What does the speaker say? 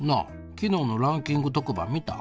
昨日のランキング特番見た？